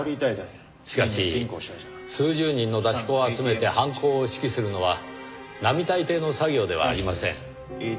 しかし数十人の出し子を集めて犯行を指揮するのは並大抵の作業ではありません。